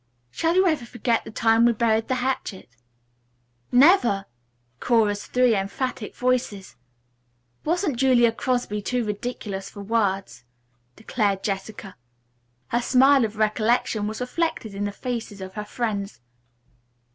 "Shall you ever forget the time we buried the hatchet?" "Never!" chorused three emphatic voices. "Wasn't Julia Crosby too ridiculous for words?" declared Jessica. Her smile of recollection was reflected in the faces of her friends.